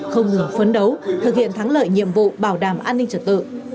không ngừng phấn đấu thực hiện thắng lợi nhiệm vụ bảo đảm an ninh trật tự